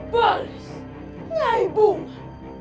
belis nyai bunga